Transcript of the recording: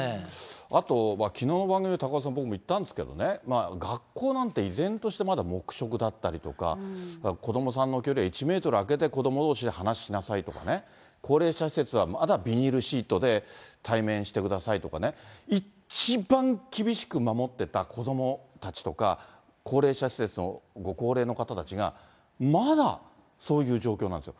あとはきのうの番組で、高岡さん、僕言ったんですけどね、学校なんて依然として黙食だったりとか、子どもさんの距離は１メートル空けて子どもどうしで話しなさいとかね、高齢者施設はまだビニールシートで対面してくださいとかね、一番厳しく守ってた子どもたちとか、高齢者の施設のご高齢の方たちが、まだそういう状況なんですよ。